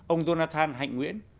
ông jonathan hạnh nguyễn